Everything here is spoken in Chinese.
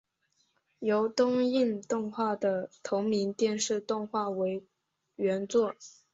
由东映动画的同名电视动画为原作。